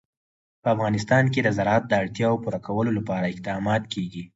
په افغانستان کې د زراعت د اړتیاوو پوره کولو لپاره اقدامات کېږي.